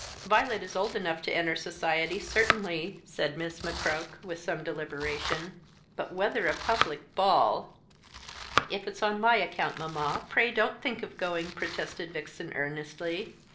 "Violet is old enough to enter society, certainly," said Miss McCroke, with some deliberation; "but whether a public ball " "If it's on my account, mamma, pray don't think of going," protested Vixen earnestly.